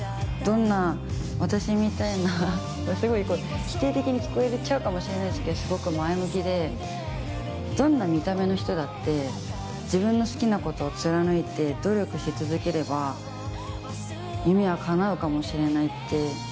すごい否定的に聞こえちゃうかもしれないですけどすごく前向きでどんな見た目の人だって自分の好きなことを貫いて努力し続ければ夢は叶うかもしれないって